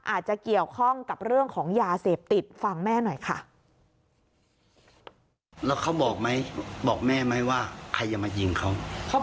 อาจจะเกี่ยวข้องกับเรื่องของยาเสพติดฟังแม่หน่อยค่ะ